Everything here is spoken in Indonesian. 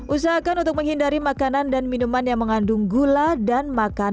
usahakan untuk menghindari makanan dan minuman yang mengandung gula dan makanan